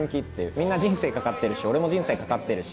みんな人生懸かってるし俺も人生懸かってるし。